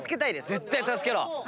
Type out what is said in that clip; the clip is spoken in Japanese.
絶対助けろ。